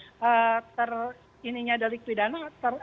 atau sudah ter ininya delik pidana